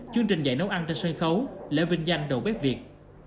chương trình dạy nấu ăn trên sân khấu lễ vinh danh đầu bếp việt